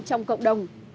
trong cộng đồng